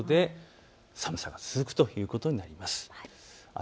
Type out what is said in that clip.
寒さが続くということになります。